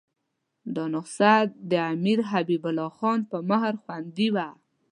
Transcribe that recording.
دا نسخه د امیر حبیب الله خان په مهر خوندي وه.